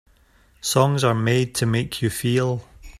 Songs are made to make you feel.